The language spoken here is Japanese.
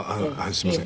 すいません。